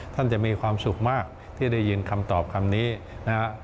ท่านจะมีความสุขมากที่ได้ยินคำตอบคำนี้นะฮะ